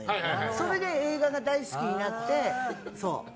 それで映画が大好きになって。